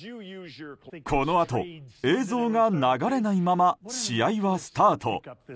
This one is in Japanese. このあと、映像が流れないまま試合はスタート。